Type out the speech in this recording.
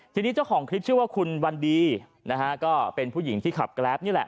ทีนี้เจ้าของคลิปชื่อว่าคุณวันดีนะฮะก็เป็นผู้หญิงที่ขับแกรปนี่แหละ